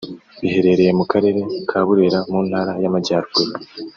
biherereye mu karere ka Burera mu ntara y’ Amajyaruguru